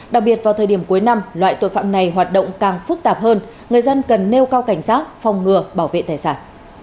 đặc biệt vào thời điểm cuối năm loại tội phạm này hoạt động càng phức tạp hơn người dân cần nêu cao cảnh giác phòng ngừa bảo vệ tài sản